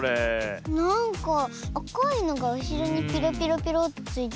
なんかあかいのがうしろにキラキラキラってついてる。